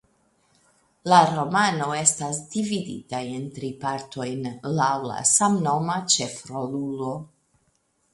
La romano estas dividita en tri partojn laŭ la samnoma ĉefrolulo.